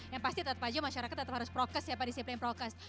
yang pasti tetap aja masyarakat tetap harus prokes ya pak disiplin prokes